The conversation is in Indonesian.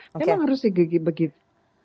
memang harus begitu